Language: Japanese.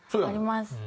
あります。